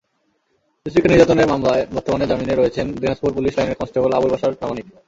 স্ত্রীকে নির্যাতনের মামলায় বর্তমানে জামিনে রয়েছেন দিনাজপুর পুলিশ লাইনের কনস্টেবল আবুল বাশার প্রামাণিক।